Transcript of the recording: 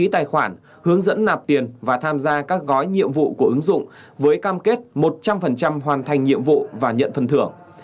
tài khoản hướng dẫn nạp tiền và tham gia các gói nhiệm vụ của ứng dụng với cam kết một trăm linh hoàn thành nhiệm vụ và nhận phần thưởng